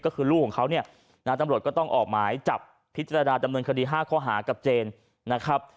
ก็คือลูกของเขาเนี่ยนะตำรวจก็ต้องออกหมายจับพิจารณาดำเนินคดี๕ข้อหากับเจนนะครับ